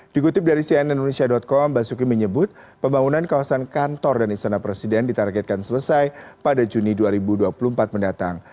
dikutip dari cnn indonesia com basuki menyebut pembangunan kawasan kantor dan istana presiden ditargetkan selesai pada juni dua ribu dua puluh empat mendatang